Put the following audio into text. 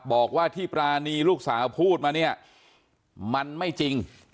บอกว่าที่ปรานีลูกสาวพูดมาเนี่ยมันไม่จริง